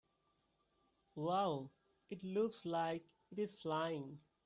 Wow! It looks like it is flying!